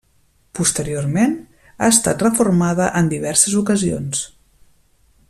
Posteriorment, ha estat reformada en diverses ocasions.